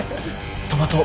トマト